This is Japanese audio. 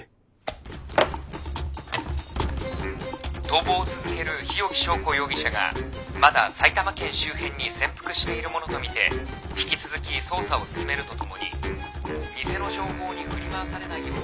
「逃亡を続ける日置昭子容疑者がまだ埼玉県周辺に潜伏しているものとみて引き続き捜査を進めるとともに偽の情報に振り回されないよう」。